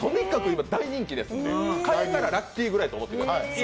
今、大人気ですので買えたらラッキーぐらいと思ってください。